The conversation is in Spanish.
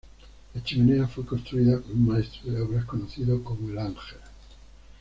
La chimenea fue construida por un maestro de obras conocido como "El Ángel".